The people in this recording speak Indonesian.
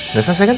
udah selesai kan